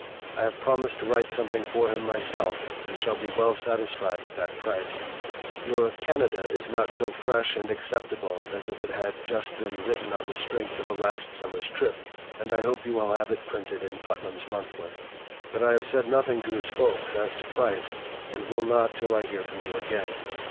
I have promised to write something for him myself, and shall be well satisfied with that price. Your 'Canada' is not so fresh and acceptable as if it had just been written on the strength of a last summer's trip, and I hope you will have it printed in 'Putnam's Monthly.' But I have said nothing to his folks as to price, and will not till I hear from you again.